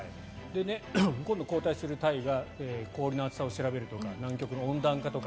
今度、交代する隊が氷の厚さを調べるとか南極の温暖化とか